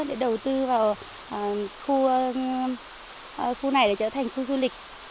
để đầu tư vào khu này để trở thành khu du lịch